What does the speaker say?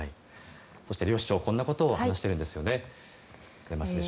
そして両市長はこんなことを話しているんですね。